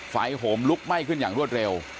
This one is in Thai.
โหมลุกไหม้ขึ้นอย่างรวดเร็ว